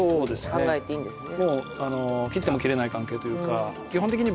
考えていいんですね